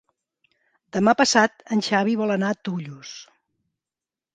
Demà passat en Xavi vol anar a Tollos.